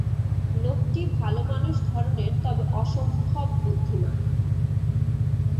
লোকটি ভালোমানুষ ধরনের, তবে অসম্ভব বুদ্ধিমান।